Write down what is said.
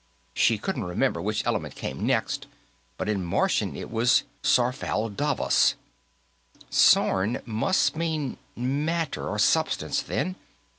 She couldn't remember which element came next, but in Martian it was Sarfalddavas. Sorn must mean matter, or substance, then.